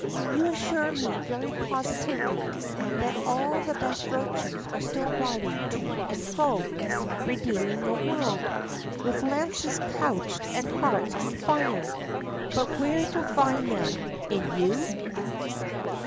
"You assure me very positively that all the best virtues are still riding to and fro, redeeming the world, with lances couched and hearts on fire. But where to find them? In you?"